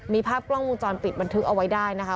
มีภาพกล้องวงจรปิดบันทึกเอาไว้ได้นะคะ